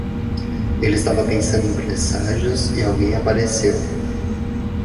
Ele estava pensando em presságios e alguém apareceu.